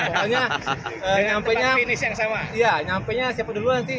pokoknya nyampe nya siapa duluan sih